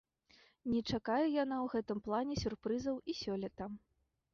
Не чакае яна ў гэтым плане сюрпрызаў і сёлета.